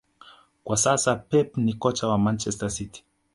kwa sasa Pep ni kocha wa Manchester City